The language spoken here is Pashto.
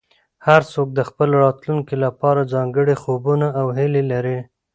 هر څوک د خپل راتلونکي لپاره ځانګړي خوبونه او هیلې لري.